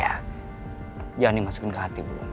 ibu tenang ya jangan dimasukin ke hati bu